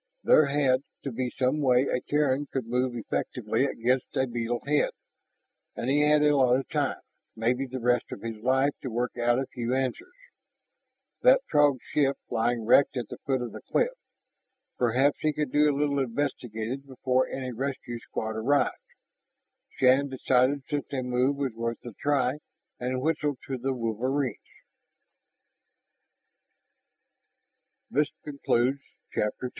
There had to be some way a Terran could move effectively against a beetle head. And he had a lot of time, maybe the rest of his life to work out a few answers. That Throg ship lying wrecked at the foot of the cliff ... perhaps he could do a little investigating before any rescue squad arrived. Shann decided such a move was worth the try and whistled to the wolverines. 3.